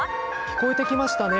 聞こえてきましたね。